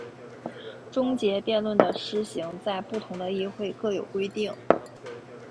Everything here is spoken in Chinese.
终结辩论的施行在不同的议会各有规定。